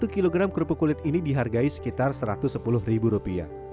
satu kg kelupuk kulit ini dihargai sekitar satu ratus sepuluh rupiah